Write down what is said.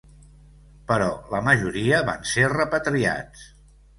Però la majoria van ser repatriats